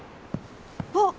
あっ。